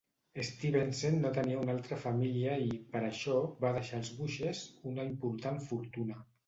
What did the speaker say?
Stevenson no tenia altra família i, per això, va deixar als Bushes una important fortuna.